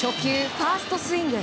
ファーストスイング